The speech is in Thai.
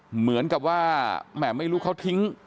เหมือนกับว่าแหม่ไม่รู้เขาทิ้ง